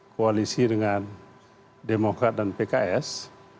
koalisi dengan demokrat dan pks